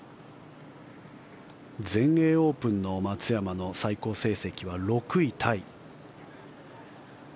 全英オープンの松山の最高成績は６位タイ。